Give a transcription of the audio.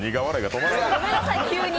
ごめんなさい、急に。